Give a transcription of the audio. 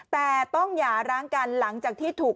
แต่ต้องหย่าร้างกันหลังจากที่ถูก